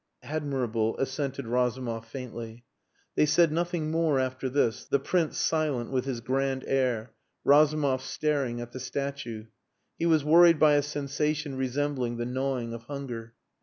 "Admirable," assented Razumov faintly. They said nothing more after this, the Prince silent with his grand air, Razumov staring at the statue. He was worried by a sensation resembling the gnawing of hunger.